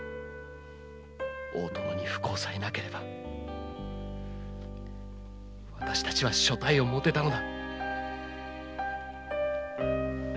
大殿に不幸さえなければ私たちは所帯を持てたのだ。